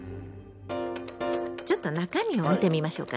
ちょっと中身を見てみましょうかね。